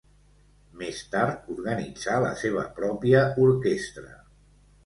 Més tard organitzà la seva pròpia orquestra.